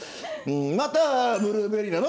「またブルーベリーなの？